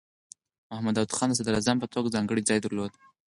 محمد داؤد خان د صدراعظم په توګه ځانګړی ځای درلود.